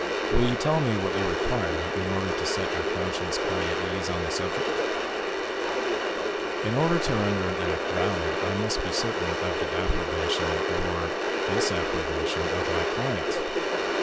Will you tell me what you require, in order to set your conscience quite at ease on the subject?" "In order to render an act valid, I must be certain of the approbation or disapprobation of my client.